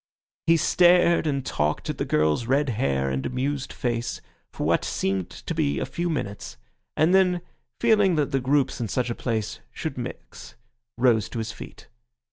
He stared and talked at the girl's red hair and amused face for what seemed to be a few minutes; and then, feeling that the groups in such a place should mix, rose to his feet.